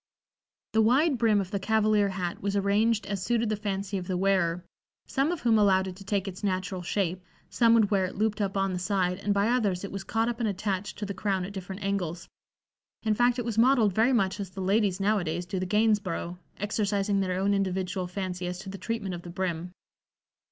The wide brim of the cavalier hat was arranged as suited the fancy of the wearer, some of whom allowed it to take its natural shape, some would wear it looped up on the side, and by others it was caught up and attached to the crown at different angles; in fact, it was modeled very much as the ladies now a days do the "Gainsborough," exercising their own individual fancy as to the treatment of the brim.